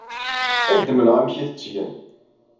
Ad ak-d-mleɣ amek ay t-ttgen.